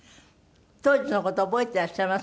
当時の事覚えていらっしゃいます？